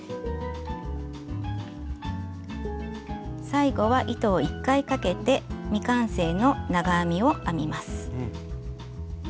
最後は糸を１回かけて未完成の長編みを編みます。